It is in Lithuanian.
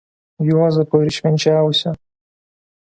Juozapo ir šv.